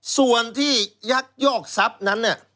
สวนที่ยักษ์ยอกซับนั้นเนี่ย